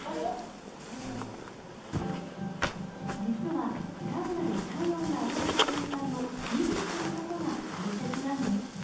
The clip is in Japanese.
実はサウナで体温が上がった状態を維持することが大切なんです。